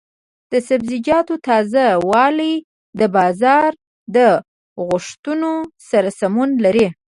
د سبزیجاتو تازه والي د بازار د غوښتنو سره سمون لري.